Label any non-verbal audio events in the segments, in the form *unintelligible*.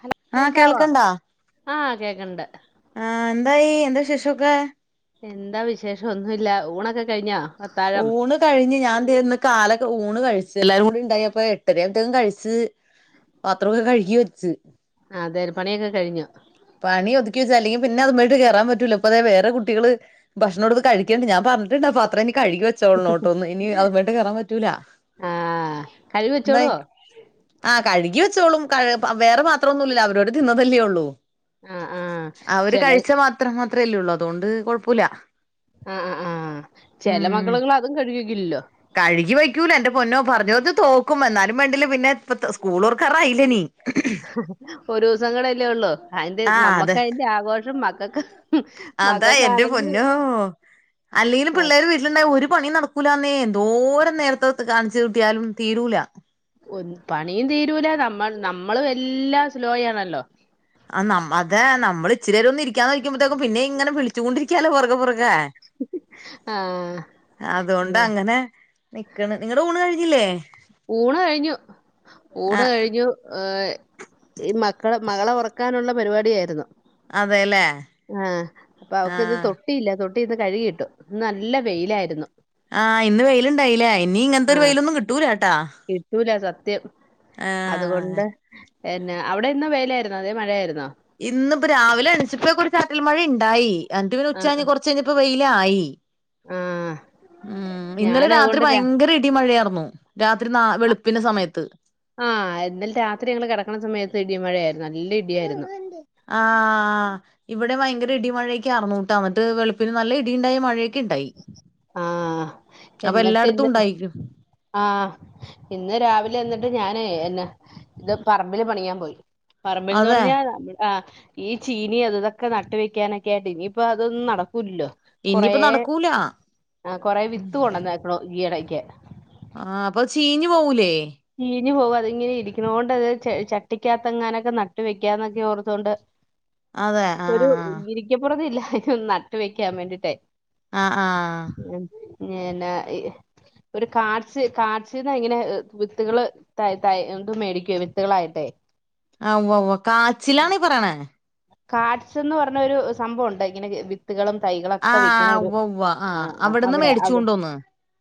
Hello ആഹ് കേക്കാവോ? ആ കേക്കൺണ്ട്. ആ എന്തായി എന്താ വിശേഷൊക്കെ? എന്താ വിശേഷം ഒന്നുല്ല ഊണൊക്കെ കഴിഞ്ഞോ അത്താഴം ഊണ് കഴിഞ്ഞ് ഞാൻ ദേ ഒന്ന് കാലൊ ഊണ് കഴിച്ച് എല്ലാരും കൂടി ഉണ്ടായപ്പൊ എട്ടരയാത്തേക്കും കഴിച്ച് പാത്രൊക്കെ കഴുകി വെച്ച് അതെല്ലേ പണിയൊക്കെ കഴിഞ്ഞോ പണി ഒതുക്കി വെച്ച് അല്ലെങ്കി പിന്നെ അതു അതുമേലേലോട്ട് കേറാൻ പറ്റൂല ഇപ്പ ദേ വേറെ കുട്ടികള് ഭക്ഷണം എടുത്ത് കഴിക്കുന്നുണ്ട് ഞാൻ പറഞ്ഞിട്ടുണ്ട് ആ പാത്രം ഇനി കഴുകി വെച്ചോളണോട്ടോന്ന് ഇനി അതിൻമേലോട്ട് കേറാൻ പറ്റൂല ആ കഴുകി എന്തായി വെച്ചോളുവോ ആ കഴുകി വെ വെച്ചോളും കഴ് വേറെ പാത്രം ഒന്നൂല്ലില്ലല്ലോ അവരവര് തിന്നതല്ലേ ഉള്ളൂ ആ ആ അവര് ചില കഴിച്ച പാത്രം ത്രല്ലേ ഉള്ളൂ അതുകൊണ്ട് കുഴപ്പോല്ല ആ ആ ആ ചെല മക്കള്കള് അതും കഴുകി വെക്കില്ലല്ലോ പറഞ്ഞതൊക്കെ തോക്കും എന്നാലും വേണ്ടില്ല പിന്നെ ഇപ്പ തെ സ്കൂള് തൊറക്കാറായില്ലേ ഇനി ഒരൂ ദിവസം കൂടെ അല്ലേ ഉള്ളൂ അതിന്റെ അതെ നമ്മക്ക് അതിന്റെ ആഘോഷം മക്കക്ക് അതാ എൻ്റെ പൊന്നോ അല്ലെങ്കിലും ആ, പിള്ളേര് വീട്ടിലുണ്ടായ ഒരു പണിയും നടക്കു ക്കൂലാന്നേ *unintelligible* നേരത്തെ കാ *unintelligible* യാലും തീരൂല ഒരു പണിയും തീരൂല നമ്മൾ നമ്മളും എല്ലാം സ്ലോയാണല്ലോ ആ നമ്മ അതെ നമ്മള് ഇച്ചിരി നേരം ഒന്നിരി ക്കാന്ന് വെക്കുമ്പത്തേക്കും പിനെ ഇങ്ങെനെ വിളി ചൂണ്ടിരിക്കാലോ പുറകെ പുറകേ ആ അതുകൊണ്ട് അങ്ങനെ നിക്കണ് നിങ്ങള് ഊണ് കഴി ഇല്ലെ ഊണ് കഴിഞ്ഞു ഊണ് ആഹ് കഴിഞ്ഞു എ് ഈ മക്കളെ മകളെ ഒറക്കാനുള്ളെ പരിപാടിയായിരുന്നു അതെല്ലേ ആ അപ്പ അവക്ക് ഇന്ന് ആഹ് തൊട്ടിയില്ല തൊ ട്ടി ഇന്ന് കഴ്കിയിട്ടു ഇന്ന് നല്ല വെയിലായിരുന്നു ആ ഇന്ന് വെയിൽ ഇണ്ടായിലെ ഇനി ഇങ്ങെൻത്തെ ഒരു വെയിലൊന്നും കിട്ടുലാ കിട്ടുലാ സ ത്യം ആഹ് അതുകൊണ്ട് എന്നാ അവിടെ ഇന്ന് വെയിലായിര്ന്നോ അതെ മഴയായിര് ഇന്ന് ഇപ്പം രാവിലെ എണീച്ചപ്പോ ഒക്കെ ഒര്. ചാറ്റൽ മഴയി ണ്ടായി എന്നിട്ട് പിന്നെ ഉച്ച ആഹ് കഴിഞ്ഞ് ആഹ് കൊറച്ച് കഴിഞ്ഞപ്പോ വെയി ക്കായി ആഹ് ഉം ഇന്നലെ രാത്രി ഭയങ്കര ഇടിം മഴയാർ *unintelligible* അഹ് ആ ഇന്നലെ രാത്രി ഞങ്ങള് കെടക്കണ സമയത്ത് ഇടിയും മഴയാര് നല്ല ഇടിയാരുന്നു. ആഹ്‌ ഇവിട് ടെ ഭയങ്കര ഇടീം മഴേക്കെ ആർന്നു ട്ടോ. എന്നിട്ട് വെളുപ്പിന് നല്ല ഇടിയുണ്ടായി മഴ ആഹ് അപ്പൊ എന്നിട്ട് എല്ലായിടത്തും ന്ന് ഉണ്ടായിരിക്കും ആഹ് ഇന്ന് രാവിലെ എന്നി ഞാന് എന്നാ ഇന്ന് പറമ്പില് പണിയാൻ പോയി. പറമ്പിൽന്ന് അതെ പറഞ്ഞാ ആ ഈ ചീനി അതുമിതുമൊക്കെ നട്ടുവെക്കാനൊക്കെയായിട്ട് ഇനി ഇപ്പൊ അതൊന്നും നട ക്കൂലല്ലോ. കൊറേ ഇനിയിപ്പ നടക്കൂല ആഹ് ആ കൊറെ വിത്ത് കൊണ്ടന്നേക്കണു ഈയെടെ ക്ക്. ആ അപ്പൊത് ചീഞ്ഞു പോവൂലേ? ചീ ഞ്ഞുപോവും. അതിങ്ങനെ ഇരിക്കണോണ്ടത് ച ചട്ടിക്കകത്തെങ്ങാനുമൊക്കെ നട്ടു വെക്കാന്നൊക്കെ ഓർത്തോണ്ട് അതെ ഒരു ആഹ് ഇരിക്കപൊറുതി ഇല്ല. ഇത് നട്ട് വെക്കാൻ വേണ്ടിട്ടെ ആഹ് ആഹ് പിന്നെ ഇ ഒരു കാച്ച് കാച്ച്ന്നങ്ങനെ വിത്തുകള് തൈ തൈ എന്തും മേടിക്കും വിത്തുകളായിട്ടെ ആഹ് ഉവ്വ ഉവ്വ കാച്ചിലാന്നി പറിണേ കാഡ്സ്ന്ന് പർഞ്ഞൊരു സംഭവുണ്ട് ഇങ്ങനെ വിത്ത്കളും തൈകളൊക്കെ ആഹ് വെക്ക്നൊരു ഉവ്വ ഉവ്വ ആ ആഹ് ആ അവിടുന്ന് അവിടെ മേടിച്ചു അവ് കൊണ്ടോന്ന്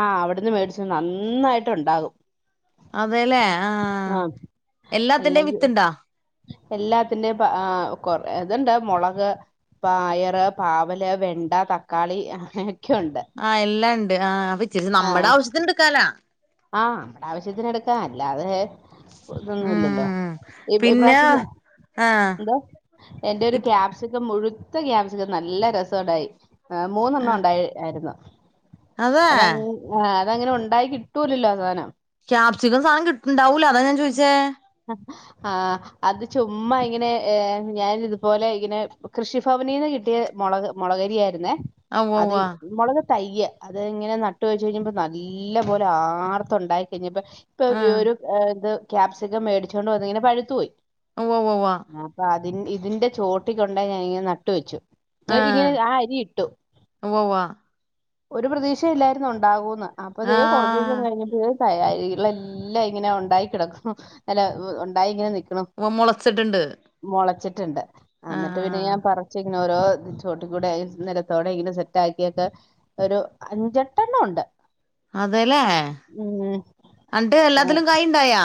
ആ അവ് അവിടുന്ന് മേടിച്ചു നന്നായിട്ട് ണ്ടാകും അതെലെ ആഹ് എല്ലാത്തിന്റേം അല്ലെങ്കിൽ വിത്ത്ണ്ടോ അത്‌ണ്ട് മൊളക് പായറ് പാവല് വെണ്ട തക്കാളി ഉണ്ട് ആഹ് എല്ലാണ്ട് ആ വിച്ച് രി നമ്മടെ ആവശ്യത്തിന് എടുക്കാലാ ആഹ് നമ്മടെ ആവിശ്യത്തിന് എടുക്ക അല്ലാതെ ഇതൊന്നും ഇല്ലല്ലോ ഉം ഇ പിന്നെ ഇപ്രാവിശ്യം ഞ് ആഹ് എന്തോ എന്റൊരു ഇപ് ക്യാപ്‌സിക്കം മുഴു ത്തെ ക്യാപ്‌സിക്കം നല്ല രസോണ്ടായി ഏഹ് മൂന്നെണ്ണം ആഹ് ഉണ്ടായി ആര്ന്നു അതെ അതങ്ങ് ആ തങ്ങനെ ഉണ്ടായി കിട് ട്ടൂലല്ലോ ആ സാനം ക്യാപ്‌സിക്കം സാനം കിട്ട് ണ്ടാവൂല അതാ ഞാൻ ചോയിച്ചേ ആഹ് അത് ചുമ്മാ ഇങ്ങനെ ഏ ഞാനിത് പോലെ ഇങ്ങനെ കൃഷിഫ വനീന്ന് കിട്ടിയ മൊളക് മൊളകരി ആയിരുന്നേ. ആഹ് ഉവ്വ ഉവ്വ അതെയ് മൊളക് തയ്യ് അത് ഇങ്ങനെ നട്ട് വെച്ച് കഴിഞ്ഞപ്പോ നല്ലപോലെ ആർത്ത് ഉണ്ടായി കഴിഞ്ഞപ്പോ, ഇപ്പൊ ആഹ് *unintelligible* രു ഏ ത് ക്യാപ്‌സ് ക്കം മേടിച്ച് കൊണ്ട് വന്നിങ്ങനെ പഴുത്ത് പോയി. ഒവ്വവ്വവ്വാ അപ്പൊ ഇതിന്റെ ചോട്ടി കൊണ്ടോയി ഞാൻ നട്ട് വെച്ചു നോകികെ ഞാ ആഹ് ആ അരിട്ടു ഉവ്വ ഉവ്വ ഒരു പ്രതീക്ഷിം ഇല്ലായിരുന്നു ഉണ്ടാവൂന്ന് അപ്പ ദേ കൊർചൂസം ആഹ് കഴിഞ്ഞപഴേ കായികളെല്ലാം ഇങ്ങനെ ഉണ്ടായി കിടകു ഉ അല്ല ഉണ്ടായി ഇങ്ങനെ നി ഒവൊ മുളച്ചിട്ടുണ്ട് റ്റ്ണ്ട് അന്നിട്ട് പിന്നെ ആഹ് യാൻ പറചി ങ്ങനോരോ ചോട്ടികൂടെ നെരതോടെ ഇങ്ങനെ സെറ്റാകിയിട്ട് ഒര് അഞ്ചെട്ടണ്ണണ്ട് അതേലെ അന്റെ എല്ലാതിലും കായിണ്ടായോ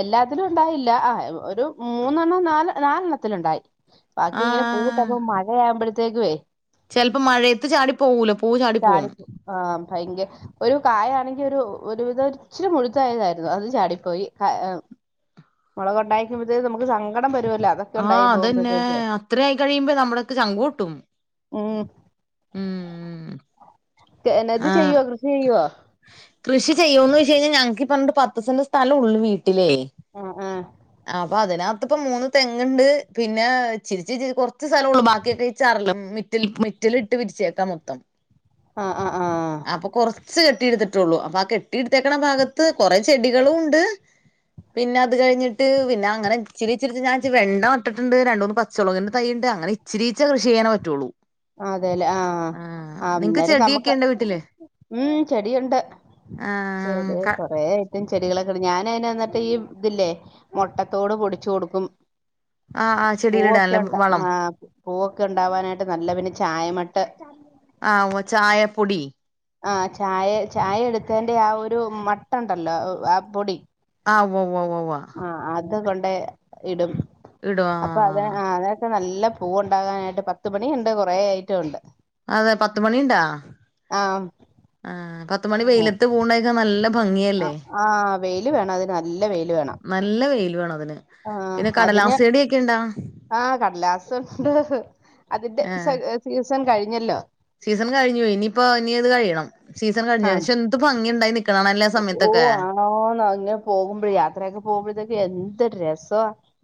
എല്ലാത്തിലും ഉണ്ടായില്ല ആ ഒരു മൂന്നെണ്ണം നാല് നാലെണ്ണത്തില്ണ്ടായി ബാക്കി ഇങ്ങനെ പൂവിട്ട്പം മഴയായപഴ് തെഗുവേ ചെലപം മഴയത് ചാടിപോവൂലെ ചാടി ആ ഭയങ്ക ഒരു കായാണെങ്കി ഒരു ഒരുവിധം ച്ചിരി മുഴുതായിര്ന്നു അത് ചാടി പോയി മുളക്ണ്ടായി വരുംബതേകും നമ്മക് സങ്കടം വര് ആ അതന്നെ അത്രയായി കഴിയുംബം നമ്മളൊകെ ചങ്ക് പൊട്ടും ഉം ഉം ചെനത് ചെയ്യോ കൃഷിയ്യോ കൃഷിചെയ്യോന്ന് ചോദിചാ ഞങ്ങക് ഈ പറഞ്ഞ പത്ത് സെന്റ് സ്ഥലള്ളുവേ ആആ അ അപ്പൊ അതിനകത്ത് ഇപ്പ മൂന്ന് തെങ്ങ്ണ്ട് പിന്നെ ച്ചിരി ച്ചിരി കുറച്ച് സ്ഥലൊള്ളു ബാക്കിയൊക്കെ ചരളും മെറ്റൽ മെറ്റിലിട്ട് പിരിച്ചേക്കാ മൊത്തം ആ ആ അപ്പോ കുറ വച്ച് കെട്ടി എടുത്തിട്ടുള്ളൂ അപ്പൊ ആ കെട്ടി എടുത്തേക്കണ ഭാഗത്ത് കുറേ ചെടികളുണ്ട് പിന്നെ അത്കഴിഞ്ഞിട്ട് പിന്നെ അങ്ങനെ ഇച്ചിരി ഇച്ചിരി ഞാൻ വെണ്ട നട്ടിട്ടുണ്ട് രണ്ട് മൂന്ന് പച്ചളകിന്റെ തൈയ്യുണ്ട് അങ്ങനെ ഇച്ചിരിച്ചിരി കൃഷി ചെയ്യാനേ പറ്റുള്ളൂ അതെല്ലേ ആ ആഹ് നിങ്ങക്ക് അന്നേരം ചെടിയൊക്കെ നമുക്ക് ഇണ്ടോ വീട്ടില് ഉം ചെടിയുണ്ട് ആഹ് ചെടികൾ ക കൊറേ അയിറ്റം ചെടികളൊക്കെ ഞാനതിന എന്നിട്ട് ഇതില്ലേ മുട്ടത്തോട് പൊടിച്ചു കൊടുക്കും ആ ആ ചെടിൽ പൂവൊക്കെ ഇടാനല്ലേ ഉണ്ട് വളം ആ പൂവൊക്കെ ഉണ്ടാവാനായിട്ട് നല്ല പിന്നെ ചായമട്ട് ആഓ ചായപ്പൊടി ആ ചായ ചായ എടുത്തേന്റെറെ ആ ഒരു മട്ട ഉണ്ടല്ലോ ആ പൊടി ആ ഉവ്വ വ വ വ ഇത് കൊണ്ട് ടും ആ അപ്പൊ അത് ആ അതൊക്കെ നല്ല നല്ല പൂവുണ്ടാകാനായിട്ട് പത്ത്മണി ഉണ്ട് കുറേ അയിറ്റം ഉണ്ട് അതെ പത്ത് മണിണ്ടാ ആ ആ പത്ത മണി വെയിലത്ത് പൂവുണ്ടക്കാൻ നല്ല ആ ഭംഗിയല്ലേ ആ വെയില് വേണം അതിന് നല്ല വെയില് വേണം നല്ല വെയിൽ *unintelligible* ആ പിന്നെ അതിന് കടലാസ് ചെടിയൊക്കെ ഇണ്ടാ ആ കടലാസുണ്ട് അതിന്റെ ഏ സീസൺ കഴി *unintelligible* സീസൺ കഴിഞ്ഞു ഇനിയിപ്പോ ഇനി ഇത് കഴിയണം സീസൺ ആ കഴിഞ്ഞ പക്ഷെ എന്ത്‌ ഭംഗിയുണ്ടായി നിക്കണ കാണാല്ലേ ആ ഓ സമയത്തൊക്കെ *unintelligible* ങ്ങനെ പോകുമ്പോഴെ യാത്രയൊക്കെ പോകുമ്പോഴതൊക്കെ എ ന്തൊരുരസാ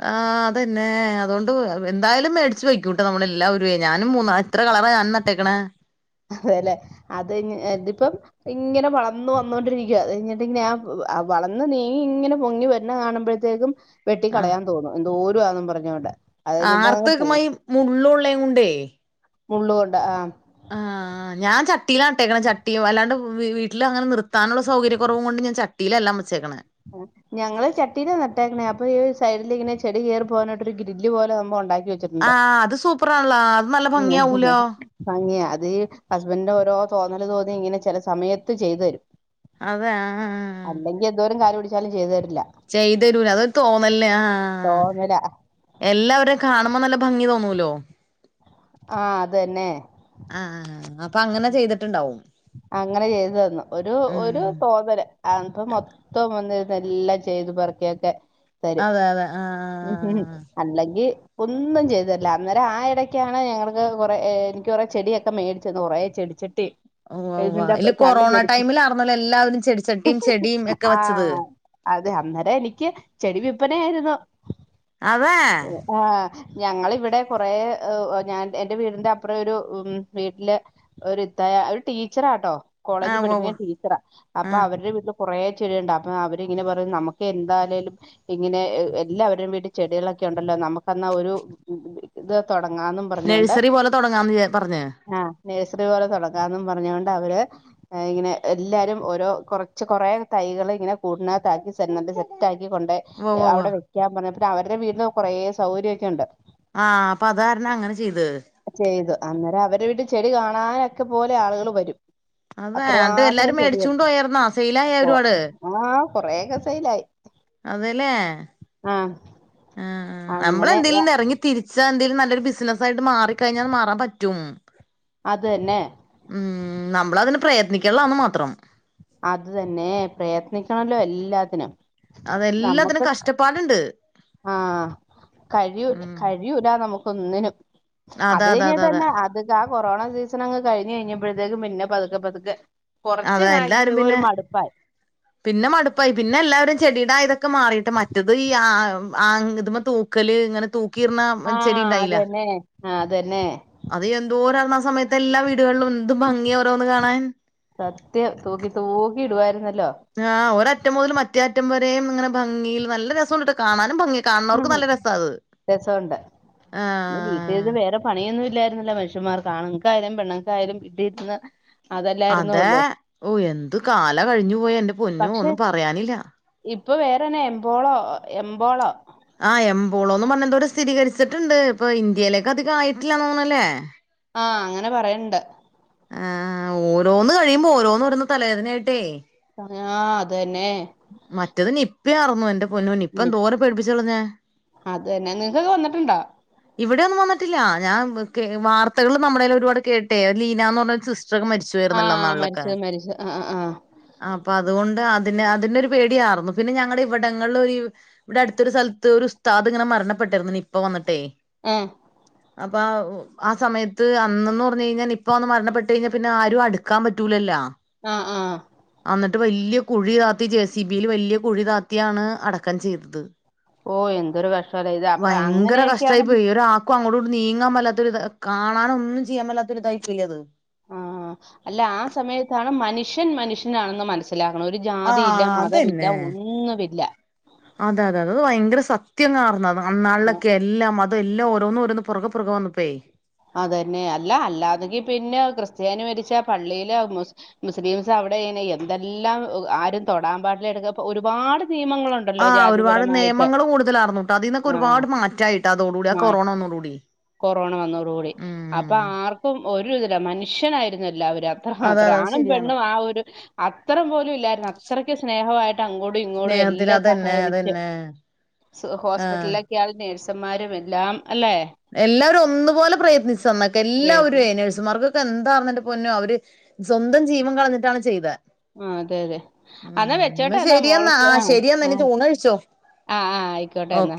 ആ അതെന്നെ അതുകൊണ്ട് എന്തായാലും മേടിച്ചു വയ്ക്കൂട്ടൊ നമ്മൾ എല്ലാവരു ഞാനും മൂന്ന എത്ര കളർ ഞാൻ നട്ടേക്കണേ അതെല്ലെ അത് ഇതിപ്പം ഇങ്ങനെ വളർന്ന് വന്നോണ്ടിരിക്ക അത് കഴിഞ്ഞിട്ട് ഞാ വളർന്ന് നീങ്ങി ഇങ്ങനെ പൊങ്ങി വരുന്ന കാണുമ്പോഴത്തേക്കും വെട്ടിക്കളയാൻ തോന്നും *unintelligible* *unintelligible* അങ്ങ് ആർത്തക്കമായി മുള്ളള്ളേ കൊണ്ടേ മുള്ളു കൊണ്ട് ആ ആ ഞാ ചട്ടിയിലാട്ടേക്കണേ ചട്ടി അല്ലാണ്ട് വീട്ടില് അങ്ങെ നിർത്താനുള്ള സൗകര്യ കുറവും കൊണ്ട് ഞാൻ ചട്ടിയിലെല്ലാം വെച്ചേക്കണേ ഞങ്ങൾ ചട്ടീലാ നട്ടേക്കണേ അപ്പൊ ഈ സൈഡിലിങ്ങനെ ചെടി കേറി പോവാനായിട്ട് ഒരു ഗ്രില്ല് പോലെ നമ്മൾ ഉണ്ടാക്കി ആ വെച്ചിട്ടുണ്ട് അത് സൂപ്പറാണല്ലോ അത് നല്ല ഭംഗിയാവൂലോ ഭംഗിയാ അത് ഹസ്ബൻഡിന്റെ ഓരോ തോന്നൽ തോന്നി ഇങ്ങനെ ചില സമയത്ത് ചെയ്തു തരും അതെ ആ ആ ആ കാല്‌ പിടിച്ചാലെ ചെയ്ത് തരു ചെയ്തുതരൂല്ലഅതൊ തോന്നല്ലേ ആആആ തോന്നലാ എല്ലാവരെയുകാണുമ്പോ നല്ല ഭംഗി തോന്നൂല്ലോ ആ അത് തന്നെ ആഹ് അങ്ങനെ ചെയ്തിട്ടുണ്ടാവും അങ്ങനെ ചെയ്തു തന്നു ഒരു ഒരു ഉം തോതല് അപ്പംമൊത്തം വന്നിരുന്ന് എല്ലാം ചെയ്തു പറക്കി യൊക്ക അതെ അതെ ആ ഉം ഉം അല്ലങ്കി ഒന്നും ചെയ്തുതരില്ലഅന്നേരം ആയിടയ്ക്കാണ് ഞങ്ങൾക്ക് കുറെേ എനിക്ക് കുറെ ചെടിയൊക്കെ മേടിച്ചുതന്ന്കുറെ ചെടിച്ചട്ടിയും ഉവ്വ ഉവ്വ ഇല്ല കൊറോണ ടൈമിലാർന്നല്ലോ എല്ലാവരും ചെടിച്ചട്ടിയും ചെടിയും ഒക്കെ വെച്ചത് അതെ അന്നേരം എനിക്ക് ചെടി വില്പനയായിരുന്നു അതെ ആ ഞങ്ങളിവിടെ കൊറെ ഞാൻ എന്റെ വീടിന്റെ അപ്പുറം ഒരു ഉ വീട്ടില് ഒരു ഇത്തായ ഒരു ടീച്ചറാട്ടോ കോളേജ് ആഹ് ഉവ്വ ഉവ്വ പഠിപ്പിക്കുന്നടീച്ചറാ അപ്പൊ ആഹ് അവരുടെ *unintelligible* കുറേ ചെടിയുണ്ട്അപ്പൊ അവരിങ്ങനെ പറയും നമുക്ക് എന്താലേലും ഇങ്ങനെ എല്ലാവരും വീട്ടിൽ ചെടികളൊക്കെ ഉണ്ടല്ലോ നമ്മുകെന്നാ ഒരു ഇത് തൊടങ്ങാന്നും പറഞ്ഞോണ്ട് നഴ്സറി പോലെ തുടങ്ങാന്ന്ല്ലേ പറഞ്ഞേ നേഴ്സറി പോലെ തുടങ്ങാന്നും പറഞ്ഞുകൊണ്ട് അവര് ഇങ്ങനെ എല്ലാരും ഓരോ കുറച്ച് കൊറേ തൈകള് ഇങ്ങനെ കൂടിനകത്താക്കി തന്നിട്ട് സെറ്റാക്കി ഉവ്വ ഉവ്വ ഉവ്വ. കൊണ്ട്അവിടെ വ ക പറഞ്ഞെ അവരുടെ വീട്ടില് കുറെ സൗകര്യക്കെ ഉണ്ട് ആഹ് അപ്പൊ അത് കാരണം അങ്ങനെ ചെയ്ത് ചെയ്തു അന്നേരം അവരെ വീട്ടിൽ ചെടി കാണാനൊ പോലെ ആളുകൾ വരും അത്രമാത്രം അതെഎല്ലാരും മേടിച്ചു കൊണ്ട് ചെടിയാണ് പോയാർന്നോ സെയിലായോ ഒരുപാട് കൊറേയെക്കെ സെയിലായി അതേല്ലേ ആ ആ ആ അങ്ങനെ ആ, നമ്മളെന്തേലും ഇറങ്ങി തിരിച്ച എന്തെങ്കിലും നല്ല ബിസിനസ്സായിട്ട്മാറി കഴിഞ്ഞാൽ മാറാൻ പറ്റും അത് തന്നെ ഉം നമ്മളതിനെ പ്രയത്നിക്കുള്ള മാത്രം അത് തന്നെ പ്രയത്നിക്കണല്ലോ എല്ലാത്തിനും. അതെല്ലാത്തിനും കഷ്ടപ്പാടുണ്ട് ആഹ കഴിയു ഉം കഴിയൂടാ ന നമക്ക് ഒന്നിനും അതെ അത് അതെ അതെ കഴിഞ്ഞിട്ട് അതെ തന്നെ അത് കൊറോണ സീസൺ അങ്ങ് കഴിഞ്ഞ് കഴിഞ്ഞപ്പോഴത്തേക്കും പിന്നെ പതുക്കെ പതുക്കെ കുറച്ച് അതാ എല്ലാരും ഒരു പിന്നെ മടുപ്പായി പിന്നെ മടുപ്പായി പിന്നെ എല്ലാവാരും ചെടീട *unintelligible* മാറിയിട്ട് മറ്റത് ഈ ആ ആ ഇ തൂക്കല് ഇങ്ങനെ തു കീർണാം ആ ചെടി ഉണ്ടായില്ല അതന്നെ ആ അത് തന്നെ അത് എന്തോരം അരുണ ആസമയത്ത് എല്ലാ വീടുകളിലും എന്ത് ഭംഗിയ ഓരോന്ന് കാണാൻ സത്യം തൂക്കി *unintelligible* ആ ഒ *unintelligible* റ്റം മുതൽ മറ്റേറ്റം വരെയും ഇങ്ങനെ ഭംഗയിൽ നല്ല രസുണ്ട്ട്ടോ കാണാനും ഭംഗി ആ കാണുന്നവർക്ക് നല്ല രസാ അത് രസുണ്ട് പിന്ന ആഹ് വീട്ടിരുന്നു വേറെ പണിയൊന്നും *unintelligible* വിഷമം ആണുങ്ങൾക്കയാലും പെണ്ണുക്കായാലും വീട്ടി ഇരുന്ന് അതെ ഓ എന്തു കാല കഴിഞ്ഞു പോയെ എൻ്റെ പൊന്നോ പക്ഷെ ഒന്നും പറയാനില്ല ഇപ്പൊ വേറെന്ന എമ്പോളോ എമ്പോളോ ഇപ്പോളോന്ന് പറഞ്ഞന്തൊരു സ്ഥിരീകരിച്ചിട്ടുണ്ട് ഇപ്പൊ ഇന്ത്യയിലേക്ക് അധികം ആയിട്ടില്ലന്ന് തോന്നല്ലേ ആ അങ്ങനെ പറയണ്ട് ആ ഓരോന്ന് കഴിയുമ്പോ ഓരോന്ന് വരുന്നു തലവേദനയായിട്ടേ ആ അത് തന്നെ മറ്റേത് നി *unintelligible* *unintelligible* അതന്നെ നിങ്ങക്ക് വന്നിട്ടുണ്ടോ ഇവിടെ ഒന്നും വന്നിട്ടില്ല ഞാൻ *unintelligible* വാർത്തകൾ നമ്മുടെൽ ഒരുപാട് കേട്ടെ ലീന എന്ന് പറഞ്ഞ സി സിസ്റ്റർ ഒക്കെ *unintelligible* മരിച്ചു പോയിരുന്നല്ലോ ആഹ് ഇന്നലിലൊക്കെ മരിച്ചത് മരിച്ചത് ആഹ് ആഹ് അപ്പൊ അതുകൊണ്ട് അതി അതിന്റെ ഒരു പേടിയായിരുന്നു പിന്നെ ഞങ്ങളുടെ ഇവിടങ്ങളിൽ ഒരു ഇവിടെ അടുത്തൊരു സ്ഥലത്ത് ഒരു ഉസ്താദ് ഇങ്ങനെ മരണപ്പെട്ടായിരുന്നു നിപ്പ വന്നിട്ടേ എ അപ്പൊ ആ സമയത്ത് അന്നന്ന് പറഞ്ഞ് കഴിഞ്ഞാ നിപ്പ വന്ന് മരണപ്പെട്ട് കഴിഞ്ഞാ പിന്നാ ആരും അടുക്കാൻ പറ്റൂലല്ലോ ആ ആ എന്നിട്ട് വലിയ കുഴി *unintelligible* ജെസിബിയിൽ വലിയ കുഴി താത്തിയാണ് അടക്കം ചെയ്തത് ഓ എന്തൊരു കഷ്ടല്ലേ ഇത് അപ്പൊ അങ്ങനെയൊക്കെയാണ് *unintelligible* അങ്ങോട്ട് ഇങ്ങോട്ട് നീങ്ങാമേലാത്തൊരു കാണാൻ ഒന്നും ചെയ്യാൻ മേലാത്തൊരു ഇതായി പോയില്ലേ അത് ആ അല്ല ആ സമയത്താണ് മനുഷ്യൻ മനുഷ്യനാണെന്ന് മന മനസ്സിലാക്കണം ഒരു ജാതി ഇല്ല ആഹ് മതവില്ല അതന്നെ ഒന്നുവില്ല അതെ അതെ അതെ അത് ഭയങ്കര സത്യം *unintelligible* *unintelligible* എല്ലാം ഓരോന്ന് ഓരോന്ന് പുറകെ പുറകെ വന്നപ്പേ. അതന്നെ അല്ല അല്ലാതെങ്കി പിന്നെ *unintelligible* മരിച്ച പള്ളിയില് മുസ്ലിംസ് അവിടെെങ്ങനെ എന്തെല്ലാം ആരും തൊടാൻമ്പാടില്ല, എടുക്കപാടില്ല ഒരുപാട്. നിയമങ്ങളുണ്ടല്ലോ ആഹ ഒരുപാട് ജാതിപരമായിട്ട് നിയമങ്ങൾ കൂടുതലാ- ർന്നുട്ടോ. അതിൽ നിന്നൊക്കെ ആഹ് ഒരുപാട് മാറ്റായിട്ട. അതോടുകൂടി ആ മാ കൊറോണ വന്നോടു കൂടി. അപ്പ ആർക്കും ഒരു ഇതില്ല മനുഷ്യനായിരുന്നു എല്ലാവരും. അത്ര അതെ മാത്രം അതെ അത് ആണും ശരിയാണ് പെണ്ണും ആ ഒരു അത്രം പോലും ഇല്ലായിരുന്നു. അത്രക്ക് സ്നേഹായിട്ട്. അങ്ങോടും ഇങ്ങോടും സ്നേഹത്തില് എല്ലാം അതന്നെ സഹകരിച്ച് അതന്നെ ആഹ് ഹോസ്പിറ്റലിലൊക്കെയ നേഴ് ന്മാരും എല്ലാം അല്ലെ. എല്ലാവരും ഒന്നും. അതു പോലെ പ്രയത്നിച്ച *unintelligible* എല്ലാവരും നേഴ്സുമാർക്ക്. ഇന്തെന്താന്ന് പൊന്നോ അവര് സ്വന്തം ജീവം കളഞ്ഞിട്ടാണ് ചെയ്ത. ആ അതെ അതെ അന്നാ എന്നാ വെച്ചോട്ടൊന്നാ. ശരിയെന്നാ മോൾക്ക് ആ ആഹ് ശരിയെന്നാ ആ ഇനി ഊണ് കഴിച്ചോ ആ ആഹ ആയിക്കോട്ടെ എന്നാ.